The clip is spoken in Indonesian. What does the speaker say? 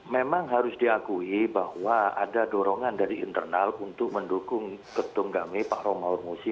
memang harus diakui bahwa ada dorongan dari internal untuk mendukung ketumgame pak romo ormuzi